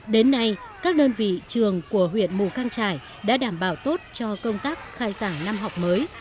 đến nay các đơn vị trường của huyện mù căng trải đã đảm bảo tốt cho công tác khai giảng năm học mới